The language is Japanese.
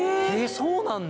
そうなんだ。